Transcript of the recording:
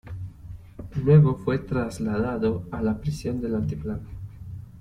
Luego fue trasladado a la prisión del altiplano.